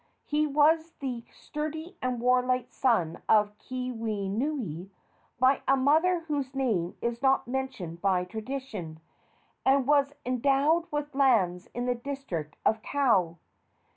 He was the sturdy and warlike son of Keawenui by a mother whose name is not mentioned by tradition, and was endowed with lands in the district of Kau.